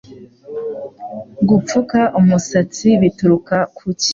gupfuka umusatsi bituruka kucyi